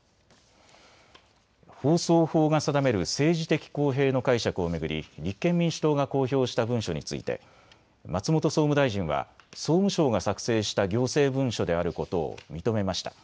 放送法が定める政治的公平の解釈を巡り立憲民主党が公表した文書について松本総務大臣は総務省が作成した行政文書であることを認めました。